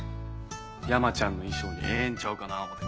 山ちゃんの衣装にええんちゃうかな思て。